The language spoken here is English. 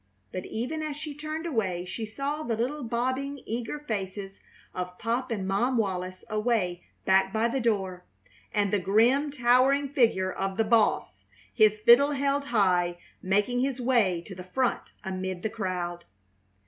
But even as she turned away she saw the little, bobbing, eager faces of Pop and Mom Wallis away back by the door, and the grim, towering figure of the Boss, his fiddle held high, making his way to the front amid the crowd.